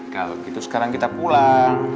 kalau gitu sekarang kita pulang